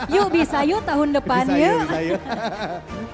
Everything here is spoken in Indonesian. yuk bisa yuk tahun depan yuk